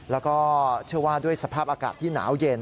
แล้วก็เชื่อว่าด้วยสภาพอากาศที่หนาวเย็น